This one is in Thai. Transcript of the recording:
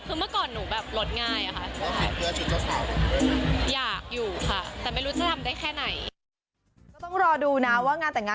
คือเมื่อก่อนหนูแบบลดง่ายอะค่ะ